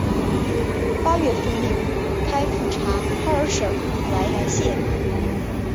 八月奉令开赴察哈尔省怀来县。